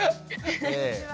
こんにちは。